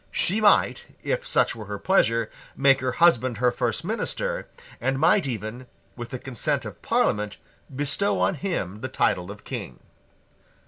She might, if such were her pleasure, make her husband her first minister, and might even, with the consent of Parliament, bestow on him the title of King.